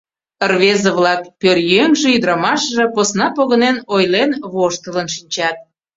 Рвезе-влак — пӧръеҥже, ӱдырамашыже — посна погынен, ойлен, воштылын шинчат.